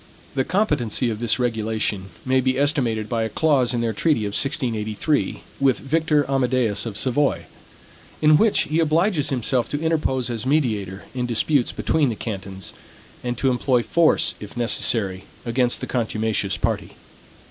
The competency of this regulation may be estimated by a clause in their treaty of 1683, with Victor Amadeus of Savoy; in which he obliges himself to interpose as mediator in disputes between the cantons, and to employ force, if necessary, against the contumacious party.